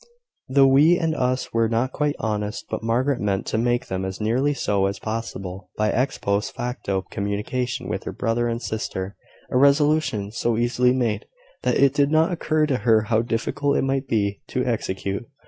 The "we" and "us" were not quite honest; but Margaret meant to make them as nearly so as possible by ex post facto communication with her brother and sister: a resolution so easily made, that it did not occur to her how difficult it might be to execute.